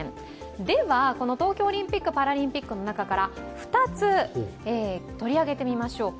では東京オリンピック・パラリンピックの中から２つ、取り上げてみましょうか。